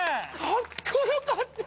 かっこよかった